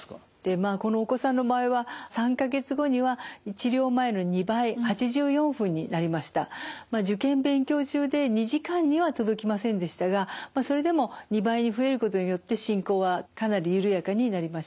まあこのお子さんの場合は３か月後には受験勉強中で２時間には届きませんでしたがそれでも２倍に増えることによって進行はかなり緩やかになりました。